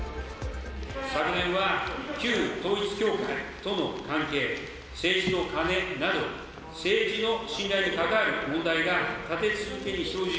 昨年は旧統一教会との関係、政治とカネなど、政治の信頼に関わる問題が立て続けに生じ。